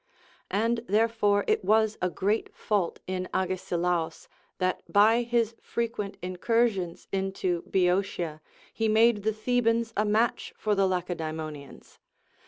And therefore it was a great fault in Agesilaus, that by his frequent incursions into Boeotia he made the Thebans a match for the Lace daemonians.